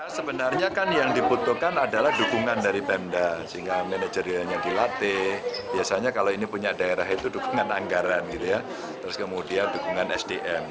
sebenarnya kan yang dibutuhkan adalah dukungan dari pemda sehingga manajerialnya dilatih biasanya kalau ini punya daerah itu dukungan anggaran gitu ya terus kemudian dukungan sdm